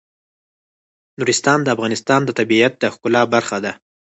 نورستان د افغانستان د طبیعت د ښکلا برخه ده.